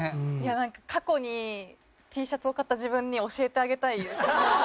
過去にＴシャツを買った自分に教えてあげたいですね。